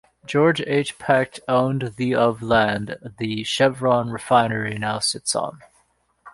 George H. Peck owned the of land the Chevron Refinery now sits on.